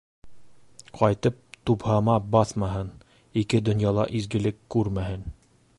Ҡайтып тупһама баҫмаһын, ике донъяла изгелек күрмәһен.